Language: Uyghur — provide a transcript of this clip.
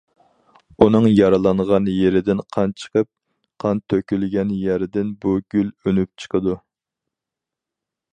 ئۇنىڭ يارىلانغان يېرىدىن قان چىقىپ، قان تۆكۈلگەن يەردىن بۇ گۈل ئۈنۈپ چىقىدۇ.